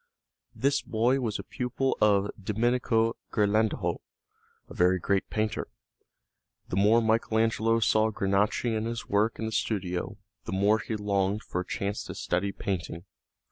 This boy was a pupil of Domenico Ghirlandajo, a very great painter. The more Michael Angelo saw Granacci and his work in the studio the more he longed for a chance to study painting.